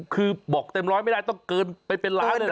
คือบอกเต็มร้อยไม่ได้ต้องเกินไปเป็นล้านเลยเห